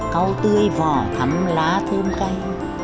cáu tươi vỏ thắm lá thơm cay